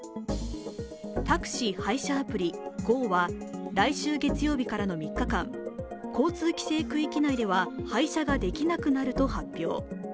タクシー配車アプリ「ＧＯ」は来週月曜日からの３日間、交通規制区域内では配車ができなくなると発表。